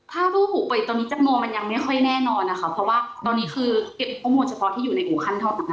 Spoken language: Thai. ถ้ารูปหูเปิดตอนนี้จำนวนมันยังไม่ค่อยแน่นอนนะคะเพราะว่าตอนนี้คือเก็บข้อมูลเฉพาะที่อยู่ในอู่ขั้นทอดต่างนา